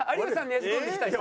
ねじ込んできた人。